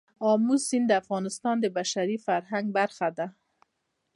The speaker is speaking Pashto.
آمو سیند د افغانستان د بشري فرهنګ برخه ده.